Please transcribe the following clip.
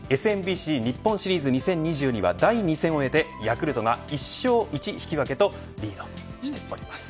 ＳＢＭＣ日本シリーズ２０２２は第２戦を終えてヤクルトが１勝１引き分けとリードしています。